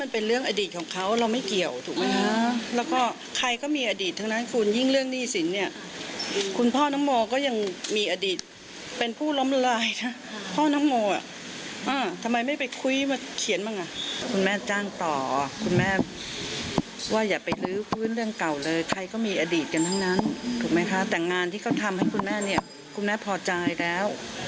เพราะฉะนั้นถูกไหมคะแต่งงานที่เขาทำให้คุณแม่คุณแม่พอใจแล้ว